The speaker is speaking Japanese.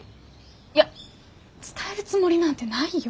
いや伝えるつもりなんてないよ。